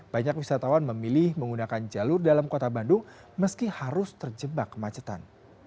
banyak wisatawan memilih menggunakan jalur dalam kota bandung meski harus terjebak kemacetan